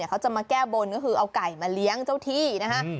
เขาจะมาแก้บนก็คือเอาไก่มาเลี้ยงเจ้าที่นะคะ